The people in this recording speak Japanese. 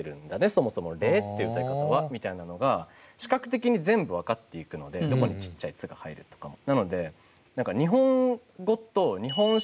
そもそも「れえ」って歌い方はみたいなのが視覚的に全部分かっていくのでどこにちっちゃい「つ」が入るとかも。